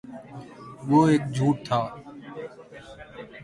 وہ ایک جھوٹ تھا